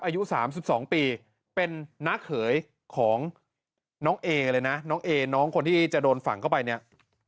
อายุ๓๒ปีเป็นน้าเขยของน้องเอเลยนะน้องเอน้องคนที่จะโดนฝั่งเข้าไปเนี่ย